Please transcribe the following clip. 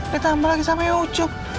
kita tambah lagi sama ucup